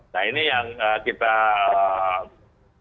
nah ini yang kita